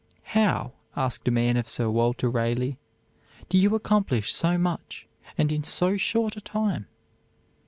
"How," asked a man of Sir Walter Raleigh, "do you accomplish so much, and in so short a time?"